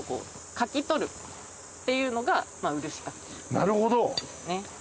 なるほど！